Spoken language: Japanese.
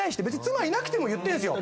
妻いなくても言ってんですよ。